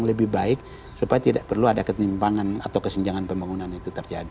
lebih baik supaya tidak perlu ada ketimpangan atau kesenjangan pembangunan itu terjadi